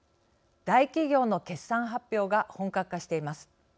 大企業の決算発表が本格化しています。